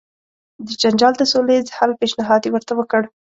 د جنجال د سوله ایز حل پېشنهاد یې ورته وکړ.